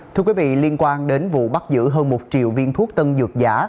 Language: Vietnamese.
thưa quý vị liên quan đến vụ bắt giữ hơn một triệu viên thuốc tân dược giả